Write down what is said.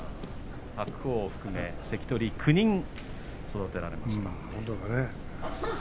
白鵬を含め関取を９人育てられました。